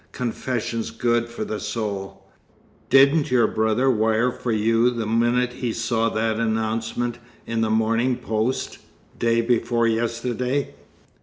Confession's good for the soul. Didn't your brother wire for you the minute he saw that announcement in The Morning Post, day before yesterday?"